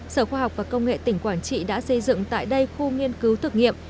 sở khoa học và công nghệ tỉnh quảng trị đã xây dựng tại đây khu nghiên cứu thực nghiệm